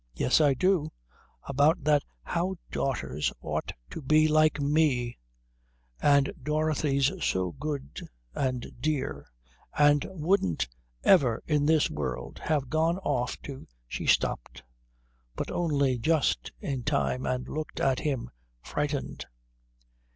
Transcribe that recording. "Yes, I do about that's how daughters ought to be like me. And Dorothy's so good and dear, and wouldn't ever in this world have gone off to " She stopped, but only just in time, and looked at him frightened.